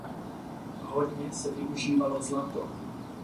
Hodně se využívalo zlato.